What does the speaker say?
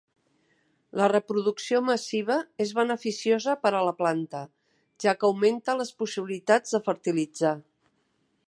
La reproducció massiva és beneficiosa per a la planta, ja que augmenta les possibilitats de fertilitzar.